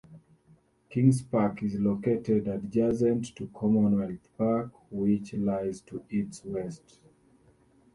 Kings Park is located adjacent to Commonwealth Park which lies to its west.